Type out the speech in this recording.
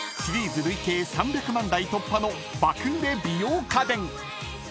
［シリーズ累計３００万台突破の爆売れ美容家電］